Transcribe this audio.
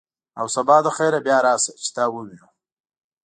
او سبا له خیره بیا راشه، چې تا ووینو.